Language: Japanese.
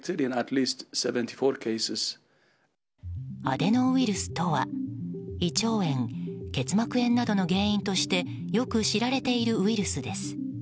アデノウイルスとは胃腸炎・結膜炎などの原因としてよく知られているウイルスです。